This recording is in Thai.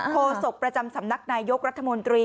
โศกประจำสำนักนายยกรัฐมนตรี